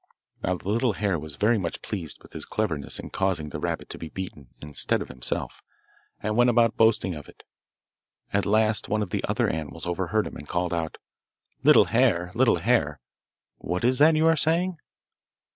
Now the little hare was very much pleased with his cleverness in causing the rabbit to be beaten instead of himself, and went about boasting of it. At last one of the other animals overheard him, and called out, 'Little hare, little hare! what is that you are saying?